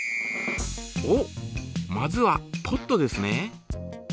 おっまずはポットですね。